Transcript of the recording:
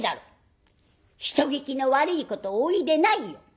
「人聞きの悪いことお言いでないよ！